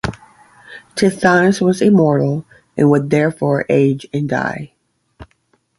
Tithonus was a mortal, and would therefore age and die.